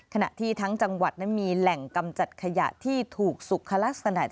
ขณะที่ทั้งจังหวัดนั้นมีแหล่งกำจัดขยะที่ถูกสุขลักษณะ